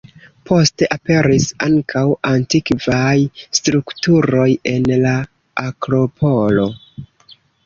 Poste, aperis ankaŭ antikvaj strukturoj en la akropolo.